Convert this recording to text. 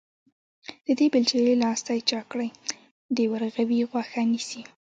د دې بېلچې لاستي چاک کړی، د ورغوي غوښه نيسي.